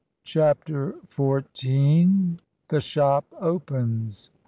CHAPTER FOURTEEN. THE SHOP OPENS.